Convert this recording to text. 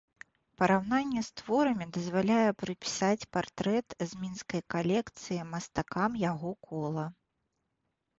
Параўнанне з творамі дазваляе прыпісаць партрэт з мінскай калекцыі мастакам яго кола.